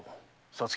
皐月。